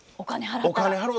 お金払ったら。